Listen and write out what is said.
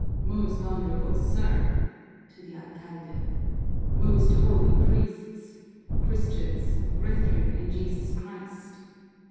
"Most honorable sir" (to the alcalde), "most holy priests, Christians, brethren in Jesus Christ!"